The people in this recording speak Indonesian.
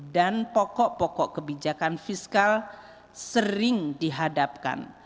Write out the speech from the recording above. dan pokok pokok kebijakan fiskal sering dihadapkan